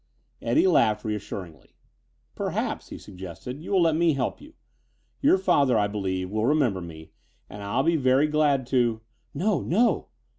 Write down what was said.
Eddie laughed reassuringly. "Perhaps," he suggested, "you will let me help you. Your father, I believe, will remember me, and I'll be very glad to " "No, no!"